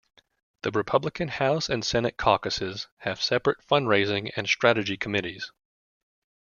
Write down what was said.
The Republican House and Senate caucuses have separate fundraising and strategy committees.